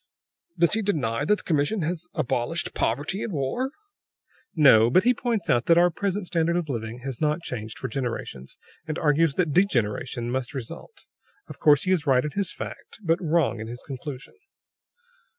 "Does he deny that the commission has abolished poverty and war?" "No; but he points out that our present standard of living has not changed for generations, and argues that degeneration must result. Of course, he is right in his fact but wrong in his conclusion."